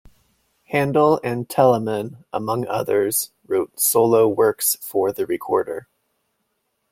Handel and Telemann, among others, wrote solo works for the recorder.